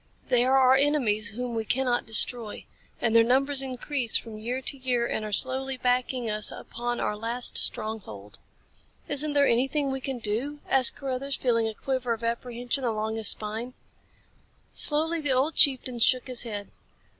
They are our enemies whom we cannot destroy. And their numbers increase from year to year and are slowly backing us upon our last stronghold." "Isn't there anything we can do?" asked Carruthers, feeling a quiver of apprehension along his spine. Slowly, the old chieftain shook his head.